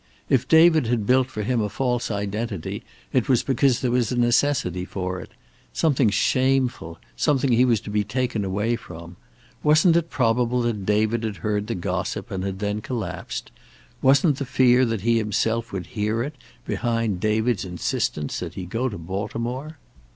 If David had built for him a false identity it was because there was a necessity for it. Something shameful, something he was to be taken away from. Wasn't it probable that David had heard the gossip, and had then collapsed? Wasn't the fear that he himself would hear it behind David's insistence that he go to Baltimore?